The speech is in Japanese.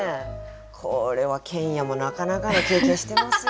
これは研哉もなかなかの経験してますよ